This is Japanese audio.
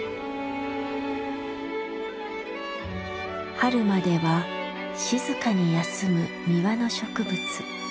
春までは静かに休む庭の植物。